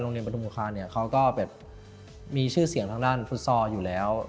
โรงเรียนปฐมภาคเขาก็มีชื่อเสียงทางด้านฟุตซอลอยู่แล้ว